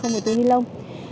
không có túi lông